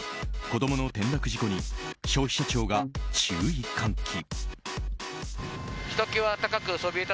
子供の転落事故に消費者庁が注意喚起。